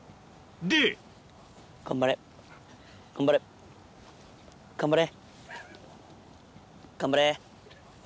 で頑張れ頑張れ頑張れ。